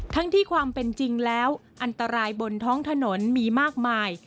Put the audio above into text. ที่ความเป็นจริงแล้วอันตรายบนท้องถนนมีมากมาย